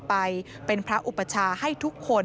พอมีโอกาสก็จะตามไปทุกครั้ง